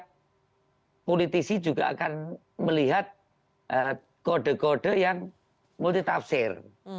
dan politisi juga akan melihat kode kode yang multi tafsir